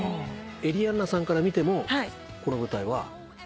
エリアンナさんから見てもこの舞台は鼻血ブーですか？